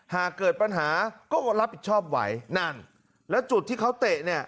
หากเกิดปัญหาก็รับผิดชอบไหวนั่นแล้วจุดที่เขาเตะเนี่ย